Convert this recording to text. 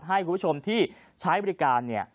ให้คุณผู้ชมที่ใช้บริการเนี่ย